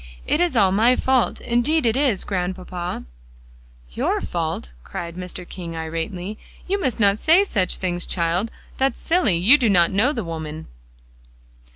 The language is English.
It is all my fault; indeed it is, Grandpapa!" "Your fault," cried Mr. King irately; "you must not say such things, child; that's silly; you don't know the woman."